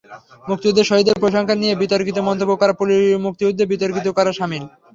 মুক্তিযুদ্ধে শহীদদের পরিসংখ্যান নিয়ে বিতর্কিত মন্তব্য করা মুক্তিযুদ্ধকে বিতর্কিত করার শামিল।